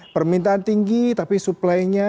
permintaan tinggi tapi suplainya